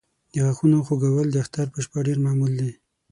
د غاښونو خوږول د اختر په شپه ډېر معمول دی.